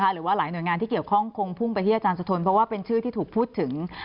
หรือว่าหลายหน่วยงานที่เกี่ยวข้องคงพุ่งไปที่อาจารย์สะทนเพราะว่าเป็นชื่อที่ถูกพูดถึง